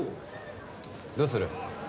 どうする？